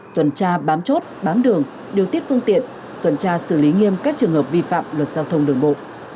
tuần tra bám chốt bám đường điều tiết phương tiện tuần tra xử lý nghiêm các trường hợp vi phạm luật giao thông đường bộ